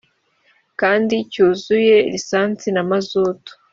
kandi cyuzuye lisansi na mazutu